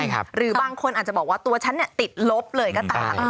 หรือบางคนอาจจะบอกว่าตัวฉันติดลบเลยก็ตาม